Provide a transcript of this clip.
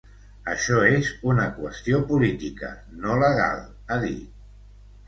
Això és una qüestió política, no legal, ha dit.